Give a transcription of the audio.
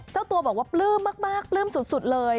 เจ้าตัวบอกว่าปลื้มมากปลื้มสุดเลย